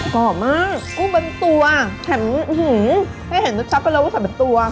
กรอบมากกลุ่มเป็นตัวแข็งหื้อแข็งจะชัดกันแล้วว่าเป็นตัว